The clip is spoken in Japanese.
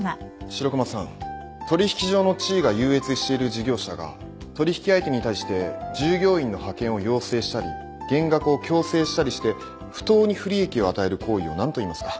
白熊さん取引上の地位が優越している事業者が取引相手に対して従業員の派遣を要請したり減額を強制したりして不当に不利益を与える行為を何といいますか？